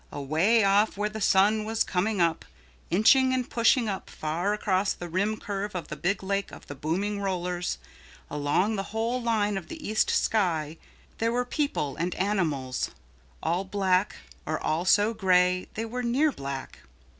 Away off where the sun was coming up, inching and pushing up far across the rim curve of the Big Lake of the Booming Rollers, along the whole line of the east sky, there were people and animals, all black or all so gray they were near black.